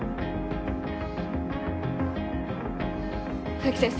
冬木先生